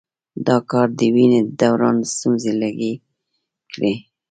دا کار د وینې د دوران ستونزې لږې کړي.